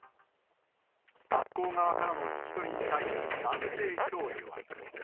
学校側からの聞き取りに対し、男性教諭は。